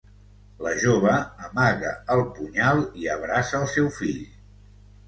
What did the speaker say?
La jove amaga el punyal i abraça el seu fill.